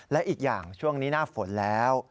และอีกอย่างช่วงนี้หน้าฝนแล้ว